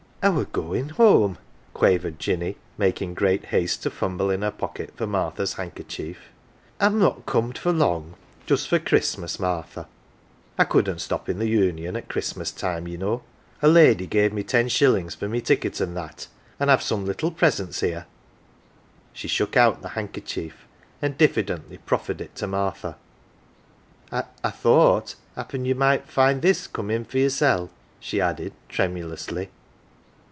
"" I were goin' home, 11 quavered Jinny, making great haste to fumble in her pocket for Martha's handkerchief. 'Tin not corned for long just for Christmas, Martha, I couldn't stop in the Union at Christinas time, ye know. A lady gave me ten shillings for my ticket an 1 that, an 1 I've some little presents here She shook out the handkerchief and diffidently proffered it to Martha. "I thought happen you might find this come in for yerseP," she added tremulously.